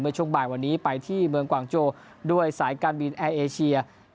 ช่วงบ่ายวันนี้ไปที่เมืองกวางโจด้วยสายการบินแอร์เอเชีย